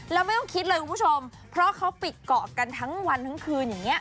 แล้วไม่ต้องคิดเลยคุณผู้ชมเพราะเขาปิดเกาะกันทั้งวันทั้งคืนอย่างนี้